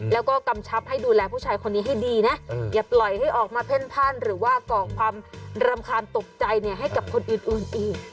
แล้วก็กำชับให้ดูแลผู้ชายคนนี้ให้ดีนะอย่าปล่อยให้ออกมาเพ่นพันหรือว่าก่อความรำคาญตกใจให้กับคนอื่นอีก